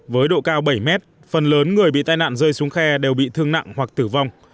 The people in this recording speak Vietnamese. với độ cao bảy mét phần lớn người bị tai nạn rơi xuống khe đều bị thương nặng hoặc tử vong